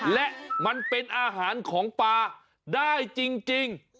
และมันเป็นอาหารของปลาได้จริง